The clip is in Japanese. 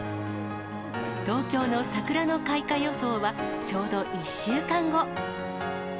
東京の桜の開花予想は、ちょうど１週間後。